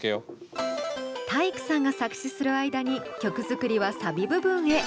体育さんが作詞する間に曲作りはサビ部分へ。